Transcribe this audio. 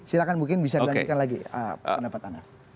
silahkan mungkin bisa dilanjutkan lagi pendapat anda